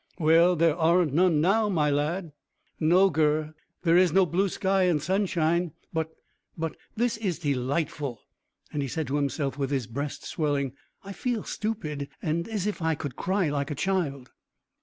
"Well, there aren't none now, my lad." "No, Gurr, there is no blue sky and sunshine, but but this is delightful;" and he said to himself, with his breast swelling, "I feel stupid, and as if I could cry like a child."